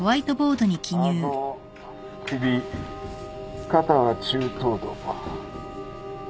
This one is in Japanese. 顎首肩は中等度。